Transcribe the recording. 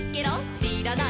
「しらない